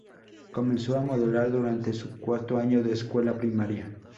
Comenzó a modelar durante su cuarto año de escuela primaria.